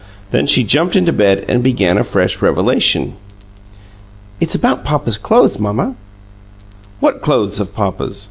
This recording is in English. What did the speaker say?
Then she jumped into bed and began a fresh revelation. "It's about papa's clo'es, mamma." "What clothes of papa's?